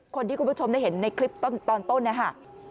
คนที่คุณผู้ชมได้เห็นในคลิปตอนนะฮะ